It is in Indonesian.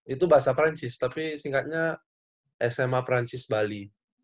itu bahasa perancis tapi singkatnya sma perancis bali